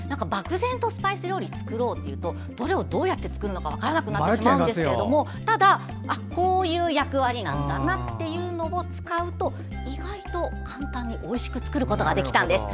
漠然とスパイス料理を作ろうっていうとどれをどうやって使えばいいのか分からなくなってしまいますがただ、こういう役割なんだなというのを使うと意外と簡単においしく作ることができたんです。